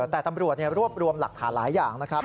แต่ตำรวจรวบรวมหลักฐานหลายอย่างนะครับ